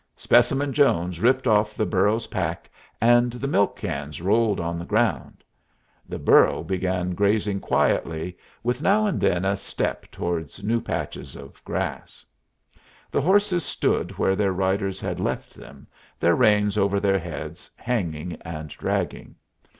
Specimen Jones ripped off the burro's pack, and the milk cans rolled on the ground. The burro began grazing quietly, with now and then a step towards new patches of grass. The horses stood where their riders had left them, their reins over their heads, hanging and dragging.